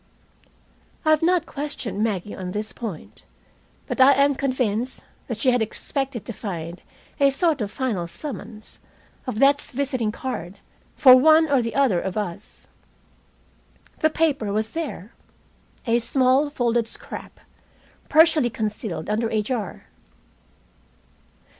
I have not questioned Maggie on this point, but I am convinced that she expected to find a sort of final summons, of death's visiting card, for one or the other of us. The paper was there, a small folded scrap, partially concealed under a jar.